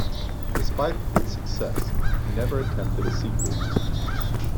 Despite its success, he never attempted a sequel.